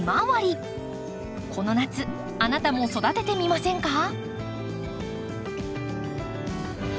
この夏あなたも育ててみませんか？